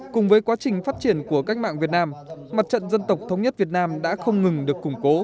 cùng với quá trình phát triển của cách mạng việt nam mặt trận dân tộc thống nhất việt nam đã không ngừng được củng cố